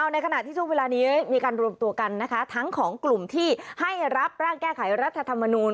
ในขณะที่ช่วงเวลานี้มีการรวมตัวกันนะคะทั้งของกลุ่มที่ให้รับร่างแก้ไขรัฐธรรมนูล